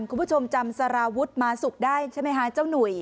คุณผู้ชมจำสาราวุดมาสุกได้ใช่มั้ยค่ะจะอนุ่ย